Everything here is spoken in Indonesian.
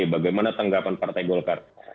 bagaimana tanggapan partai golkar